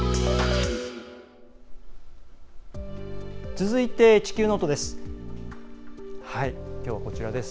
続いて「地球ノート」です。